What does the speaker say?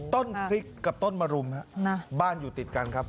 ต้นพริกกับต้นมรุมบ้านอยู่ติดกันครับ